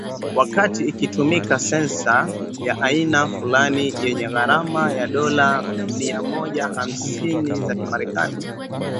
wakati ikitumika sensa ya aina fulani yenye gharama ya dola mia moja hamsini za kimerekani